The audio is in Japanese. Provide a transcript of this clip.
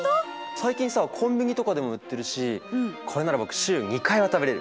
最近さコンビニとかでも売ってるしこれなら僕週２回は食べれる。